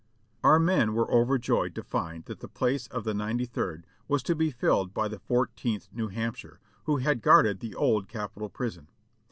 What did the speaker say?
Our men were overjoyed to find that the place of the Ninety third was to be filled by the Fourteenth New Hampshire, who had guarded the Old Capitol Prison.